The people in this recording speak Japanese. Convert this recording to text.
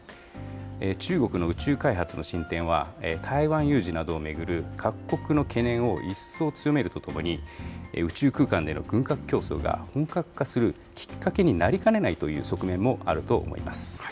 中国の宇宙開発の進展は、台湾有事などを巡る各国の懸念を一層強めるとともに、宇宙空間での軍拡競争が本格化するきっかけになりかねないという側面もあると思います。